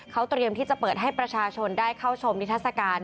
เขาเตรียมที่จะเปิดให้ประชาชนได้เข้าชมนิทัศกาล